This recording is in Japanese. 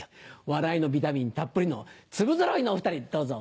笑いのビタミンたっぷりの粒ぞろいのお２人どうぞ。